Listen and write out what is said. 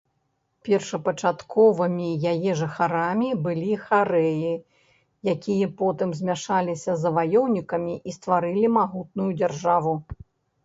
Першапачатковымі яе жыхарамі былі харэі, якія потым змяшаліся з заваёўнікамі і стварылі магутную дзяржаву.